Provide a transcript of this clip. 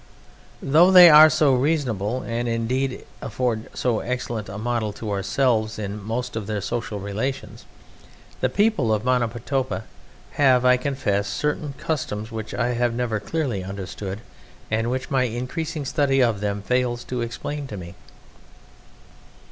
Though they are so reasonable, and indeed afford so excellent a model to ourselves in most of their social relations, the people of Monomotapa have, I confess, certain customs which I have never clearly understood, and which my increasing study of them fails to explain to me.